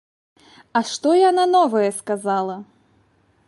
А што яна новае сказала?